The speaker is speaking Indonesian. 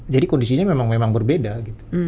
jadi kondisinya memang memang berbeda gitu